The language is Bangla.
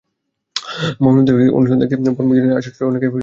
মামুনুলদের অনুশীলন দেখতে বনভোজনে আসা ছাত্রদের অনেকে দাঁড়িয়ে রইল মাঠের পাশে।